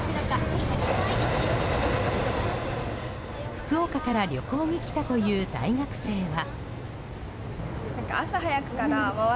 福岡から旅行に来たという大学生は。